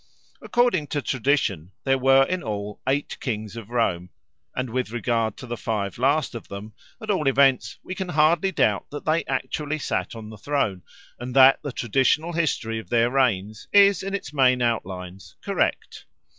According to tradition, there were in all eight kings of Rome, and with regard to the five last of them, at all events, we can hardly doubt that they actually sat on the throne, and that the traditional history of their reigns is, in its main outlines, correct.